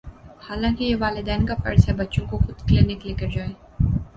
حالانکہ یہ والدین کافرض ہے بچوں کو خودکلینک لےکرجائیں۔